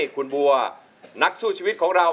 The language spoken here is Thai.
คุณบัวนักสู้ชีวิตของเรา